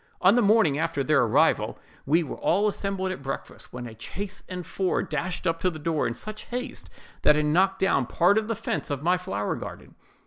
On the morning after their arrival, we were all assembled at breakfast, when a chaise and four dashed up to the door in such haste that it knocked down part of the fence of my flower garden.